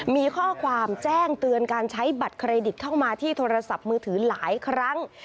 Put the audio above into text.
มีข้อความแจ้งเตือนการใช้บัตรเครดิตเข้ามาที่โทรศัพท์มือถือหลายครั้ง